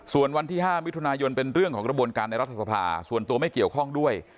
ส่วนวันที่๕มิถุนายนเป็นเรื่องของกระบวนการในรัฐสภาส่วนตัวไม่เกี่ยวข้องด้วย